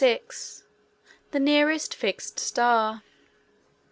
The Nearest Fixed Star.